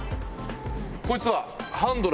こいつは。